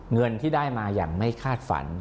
เงินที่ได้มาอย่างไม่คาดฝัน